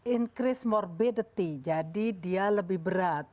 increase morbidity jadi dia lebih berat